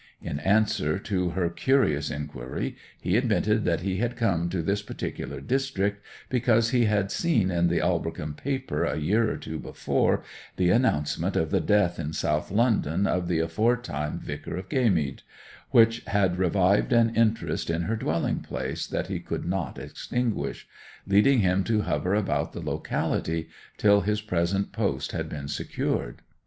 In answer to her curious inquiry, he admitted that he had come to this particular district because he had seen in the Aldbrickham paper, a year or two before, the announcement of the death in South London of the aforetime vicar of Gaymead, which had revived an interest in her dwelling place that he could not extinguish, leading him to hover about the locality till his present post had been secured.